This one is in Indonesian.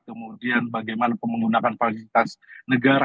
kemudian bagaimana pemenggunakan paketitas negara